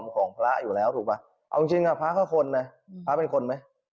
ของพระอยู่แล้วถูกปะเอาลองชินค่ะพระก็คนมั้ยพระเป็นคนมั้ย